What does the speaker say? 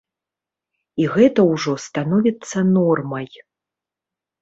І гэта ўжо становіцца нормай.